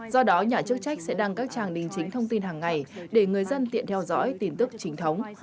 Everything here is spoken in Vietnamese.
do đó nhà chức trách sẽ đăng các trang đính chính thông tin hàng ngày để người dân tiện theo dõi tin tức chính thống